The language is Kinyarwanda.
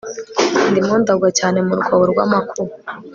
ndimo ndagwa cyane mu rwobo rw'amakuba